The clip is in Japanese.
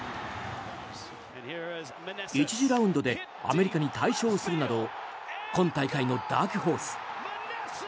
１次ラウンドでアメリカに大勝するなど今大会のダークホース。